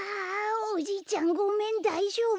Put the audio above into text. おじいちゃんごめんだいじょうぶ？